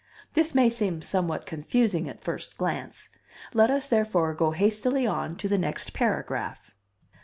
This may seem somewhat confusing at first glance. Let us, therefore, go hastily on to the next paragraph.